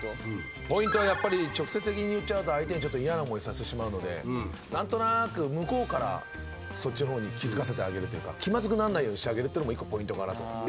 ポイントはやっぱり直接的に言っちゃうと相手に嫌な思いさせてしまうのでなんとなく向こうからそっちの方に気づかせてあげるというか気まずくならないようにしてあげるっていうのも１個ポイントかなと。